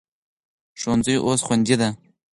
ښوونځي اوس خوندي دي.